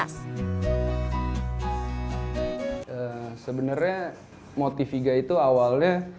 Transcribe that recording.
sebenarnya motiviga itu awalnya